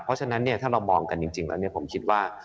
เพราะฉะนั้นถ้าเรามองกันจริงแล้วผมคิดว่า